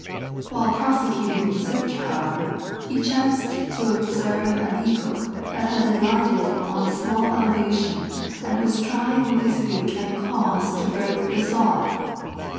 While prosecuting his search, however, he chanced to observe an eagle that had alighted on a small elevation and was trying with his beak and claws to break the sod.